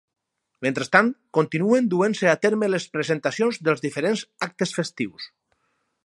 Mentrestant, continuen duent-se a terme les presentacions dels diferents actes festius.